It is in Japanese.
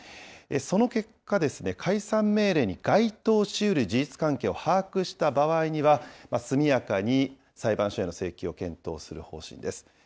その結果、解散命令に該当しうる事実関係を把握した場合には、速やかに裁判所への請求を検討する方針です。